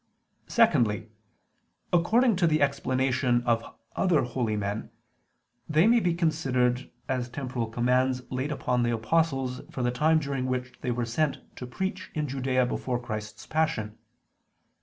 Secondly, according to the explanation of other holy men, they may be considered as temporal commands laid upon the apostles for the time during which they were sent to preach in Judea before Christ's Passion.